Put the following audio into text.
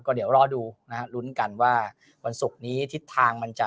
เดี๋ยวรอดูนะฮะลุ้นกันว่าวันศุกร์นี้ทิศทางมันจะ